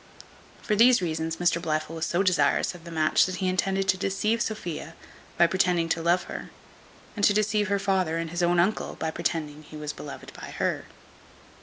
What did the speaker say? For these reasons Mr Blifil was so desirous of the match that he intended to deceive Sophia, by pretending love to her; and to deceive her father and his own uncle, by pretending he was beloved by her.